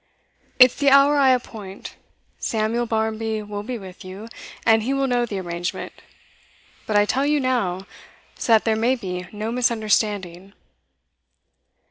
'It's the hour I appoint. Samuel Barmby will be with you, and he will know the arrangement; but I tell you now, so that there may be no misunderstanding.